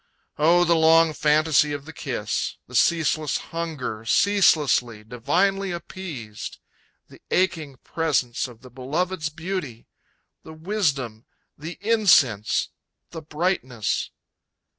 Oh the long fantasy of the kiss; the ceaseless hunger, ceaselessly, divinely appeased! The aching presence of the beloved's beauty! The wisdom, the incense, the brightness!